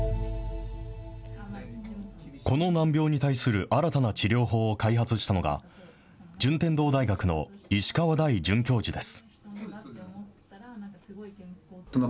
この難病に対する新たな治療法を開発したのが、順天堂大学の石川大准教授です。